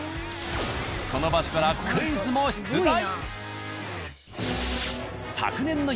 その場所からクイズも出題。